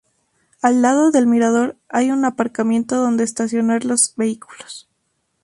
Al lado del mirador hay un aparcamiento donde estacionar los vehículos.